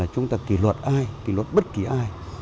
chúng ta kỷ luật ai kỷ luật bất kỳ ai